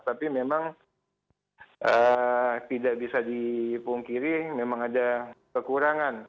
tapi memang tidak bisa dipungkiri memang ada kekurangan